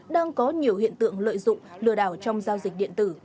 đang có nhiều hiện tượng lợi dụng lừa đảo trong giao dịch điện tử